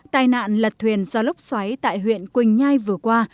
tài nạn lật thuyền do lốc xoáy tại huyện quỳnh nhai vừa qua